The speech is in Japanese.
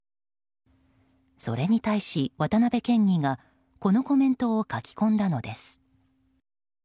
それに対し、渡辺県議がこのコメントを書き込んだのです。